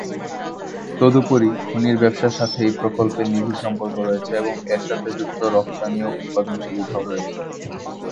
তদুপরি, খনির ব্যবসার সাথে এই প্রকল্পের নিবিড় সম্পর্ক রয়েছে এবং এর সাথে যুক্ত রফতানি ও উৎপাদন সুবিধাও রয়েছে।